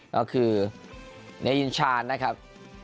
ก็คือเนยินชาญนะครับ